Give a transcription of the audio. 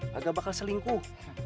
kagak bakal selingkuh